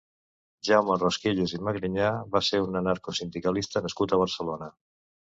Jaume Rosquillas i Magrinyà va ser un anarcosindicalista nascut a Barcelona.